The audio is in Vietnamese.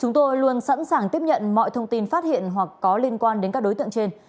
chúng tôi luôn sẵn sàng tiếp nhận mọi thông tin phát hiện hoặc có liên quan đến các đối tượng trên